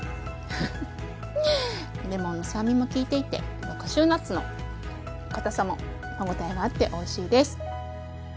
レモンの酸味も利いていてカシューナッツのかたさも歯応えがあっておいしいです。